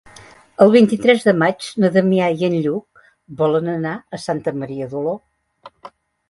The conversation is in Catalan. El vint-i-tres de maig na Damià i en Lluc volen anar a Santa Maria d'Oló.